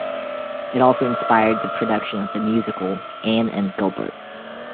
It also inspired the production of the musical, Anne and Gilbert.